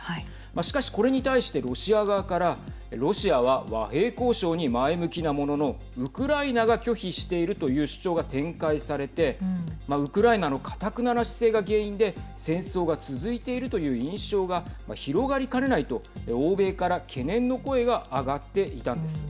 しかしこれに対してロシア側からロシアは和平交渉に前向きなもののウクライナが拒否しているという主張が展開されてウクライナのかたくなな姿勢が原因で戦争が続いているという印象が広がりかねないと欧米から懸念の声が上がっていたんです。